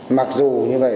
mặc dù như vậy